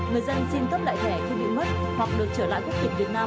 người dân xin cấp lại thẻ không bị mất hoặc được trở lại quốc tịch việt nam